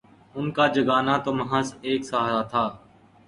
ان کا جگانا تو محض ایک سہارا تھا